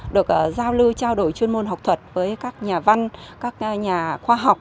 được giao lưu trao đổi chuyên môn học thuật với các nhà văn các nhà khoa học